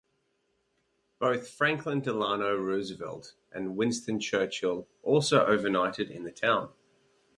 Both Franklin Delano Roosevelt and Winston Churchill also overnighted in the town.